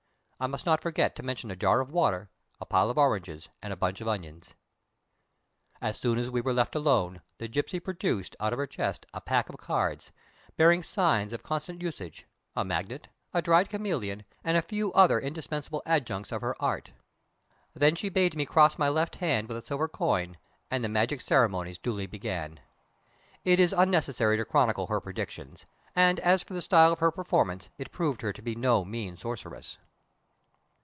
I must not forget to mention a jar of water, a pile of oranges, and a bunch of onions. As soon as we were left alone, the gipsy produced, out of her chest, a pack of cards, bearing signs of constant usage, a magnet, a dried chameleon, and a few other indispensable adjuncts of her art. Then she bade me cross my left hand with a silver coin, and the magic ceremonies duly began. It is unnecessary to chronicle her predictions, and as for the style of her performance, it proved her to be no mean sorceress.